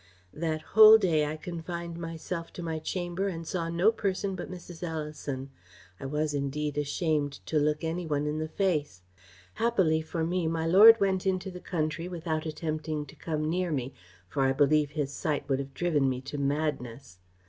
"That whole day I confined myself to my chamber and saw no person but Mrs. Ellison. I was, indeed, ashamed to look any one in the face. Happily for me, my lord went into the country without attempting to come near me, for I believe his sight would have driven me to madness.